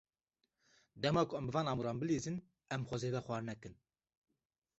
Dema ku em bi van amûran bilîzin, xwe zêde xwar nekin.